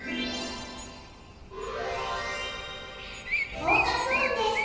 フォーカス・オンです。